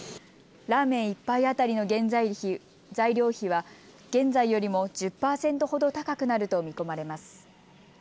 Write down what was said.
ラーメン１杯当たりの材料費は現在よりも１０％ほど高くなると見込まれます。